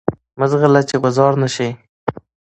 مه ځغله چی غوځار نه شی.